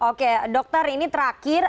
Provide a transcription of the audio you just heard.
oke dokter ini terakhir